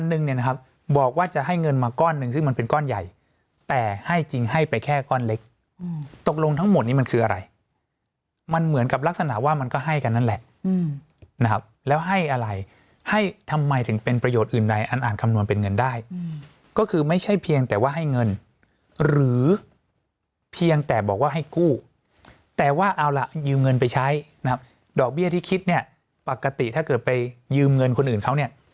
อืมตกลงทั้งหมดนี้มันคืออะไรมันเหมือนกับลักษณะว่ามันก็ให้กันนั่นแหละอืมนะครับแล้วให้อะไรให้ทำไมถึงเป็นประโยชน์อื่นใดอันอ่านคำนวณเป็นเงินได้อืมก็คือไม่ใช่เพียงแต่ว่าให้เงินหรือเพียงแต่บอกว่าให้กู้แต่ว่าเอาล่ะยืมเงินไปใช้นะครับดอกเบี้ยที่คิดเนี้ยปกติถ้าเกิดไปยืมเงินคนอ